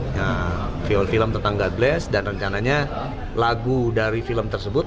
nah vial film tentang god bless dan rencananya lagu dari film tersebut